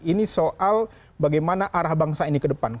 ini soal bagaimana arah bangsa ini ke depan